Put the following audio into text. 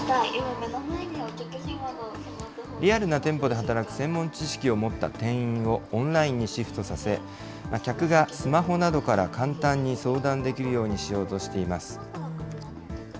リアルな店舗で働く専門知識を持った店員をオンラインにシフトさせ、客がスマホなどから簡単に相談できるようにしようとしています。